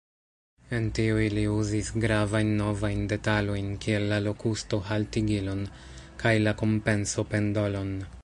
En tiuj li uzis gravajn novajn detalojn kiel la lokusto-haltigilon kaj la kompenso-pendolon.